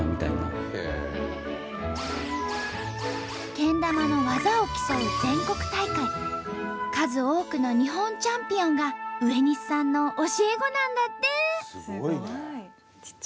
けん玉の技を競う全国大会数多くの日本チャンピオンが植西さんの教え子なんだって！